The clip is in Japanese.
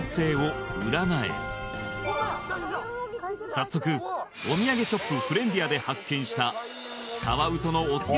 早速お土産ショップフレンディアで発見したカワウソのお告げ